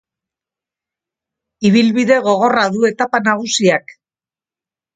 Ibilbide gogorra du etapa nagusiak.